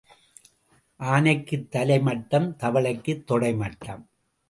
ஆனைக்குத் தலை மட்டம் தவளைக்குத் தொடை மட்டம்.